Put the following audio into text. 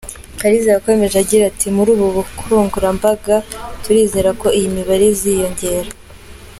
Kaliza yakomeje agira ati “Muri ubu bukangurambaga turizera ko iyi mibare iziyongera.